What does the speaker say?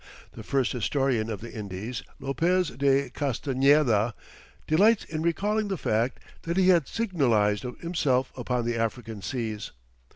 The first historian of the Indies, Lopez de Castañeda, delights in recalling the fact that he had signalized himself upon the African seas.